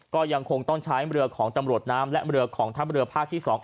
ก็ยังคงต้องใช้มรึอกรของตำรวจน้ำและมรึอกรของท่านมรือภาคที่สอง